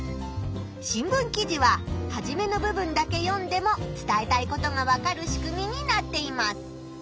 新聞記事ははじめの部分だけ読んでも伝えたいことがわかる仕組みになっています。